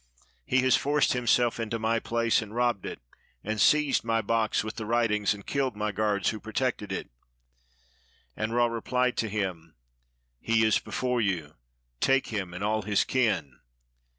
He has forced himself into my place, and robbed it, and seized my box with the writings, and killed my guards who protected it." And Ra replied to him, "He is before you, take him and all his kin."